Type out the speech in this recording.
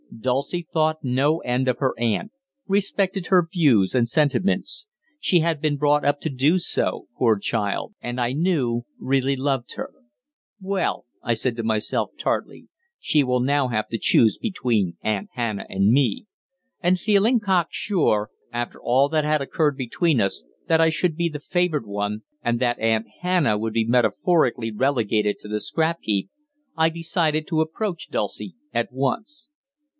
Dulcie thought no end of her aunt, respected her views and sentiments she had been brought up to do so, poor child and, I knew, really loved her. "Well," I said to myself tartly, "she will now have to choose between Aunt Hannah and me," and feeling cock sure, after all that had occurred between us, that I should be the favoured one and that Aunt Hannah would be metaphorically relegated to the scrap heap, I decided to approach Dulcie at once.